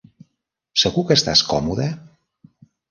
Segur que estàs còmode?